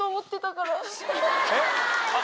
えっ？